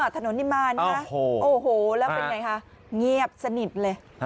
ถนนนิมมานค่ะโอ้โหแล้วเป็นอย่างไรคะงีบสนิทเลย